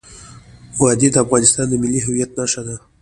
وادي د افغانستان د ملي هویت نښه ده.